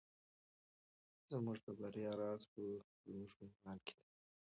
زموږ د بریا راز په زموږ په ایمان کې دی.